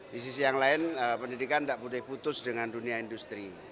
di sisi yang lain pendidikan tidak boleh putus dengan dunia industri